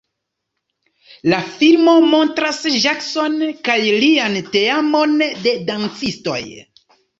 La filmo montras Jackson kaj lian teamon de dancistoj.